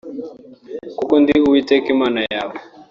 kuko ndi Uwiteka Imana yawe